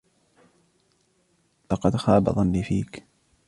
لقد خاب ظني فيك.